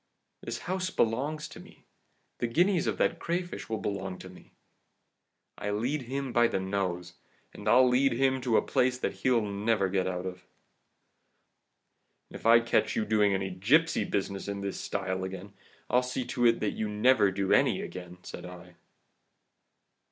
This house belongs to me the guineas of that crayfish will belong to me! I lead him by the nose, and I'll lead him to a place that he'll never get out of!' "'And if I catch you doing any gipsy business in this style again, I'll see to it that you never do any again!' said I.